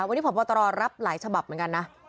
วันนี้พบตรรับหลายฉบับเหมือนกันนะ